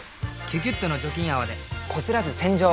「キュキュット」の除菌泡でこすらず洗浄！